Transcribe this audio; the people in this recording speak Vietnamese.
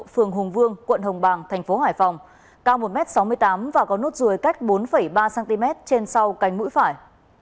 phường hùng vương quận hồng bàng thành phố hải phòng cao một m sáu mươi tám và có nốt ruồi cách bốn ba cm trên sau cánh mũi phải